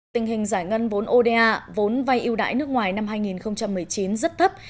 tình hình giải ngân vốn oda vốn vai yêu đại nước ngoài năm hai nghìn một mươi chín rất thấp